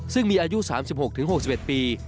ซึ่งมีอายุ๓๖๖๑ปี